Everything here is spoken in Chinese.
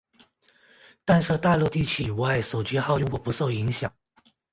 但是大陆地区以外手机号用户不受影响。